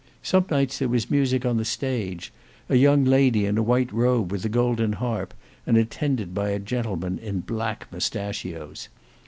Some nights there was music on the stage; a young lady in a white robe with a golden harp, and attended by a gentleman in black mustachios.